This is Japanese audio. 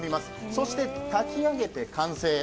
そして炊き上げて完成。